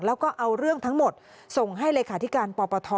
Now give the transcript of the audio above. แล้วก็เอาเรื่องทั้งหมดส่งให้เลขาธิการปปท